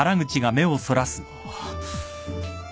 ああ。